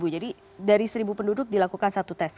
jadi dari seribu penduduk dilakukan satu test